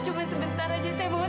cuma sebentar aja saya mohon